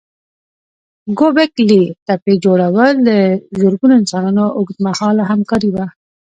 ګوبک لي تپې جوړول د زرګونو انسانانو اوږد مهاله همکاري وه.